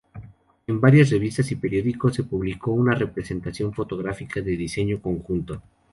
En varias revistas y periódicos se publicó una representación fotográfica de diseño conjunto.